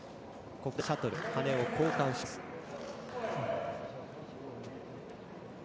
ここでシャトルを交換します。